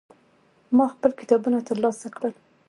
ما خپل کتابونه ترلاسه کړل.